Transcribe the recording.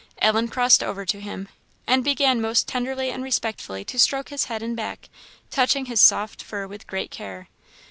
Ellen crossed over to him, and began most tenderly and respectfully to stroke his head and back, touching his soft fur with great care.